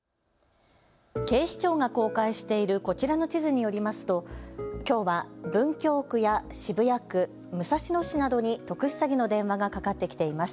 警視庁が公開しているこちらの地図によりますときょうは文京区や渋谷区、武蔵野市などに特殊詐欺の電話がかかってきています。